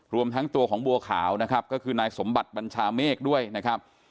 รวมทั้งตัวของบัวขาวนะครับก็คือนายสมบัติบัญชาเมฆด้วยนะครับ